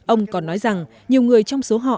ông còn nói rằng nhiều người trong số họ